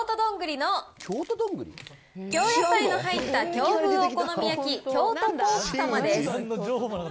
野菜の入った京風お好み焼京都ぽーく玉です。